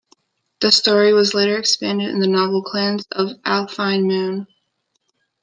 This story was later expanded in the novel "Clans of the Alphane Moon".